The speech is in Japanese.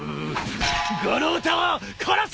五郎太を殺せー！